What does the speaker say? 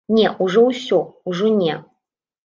Не, ужо ўсё, ужо не.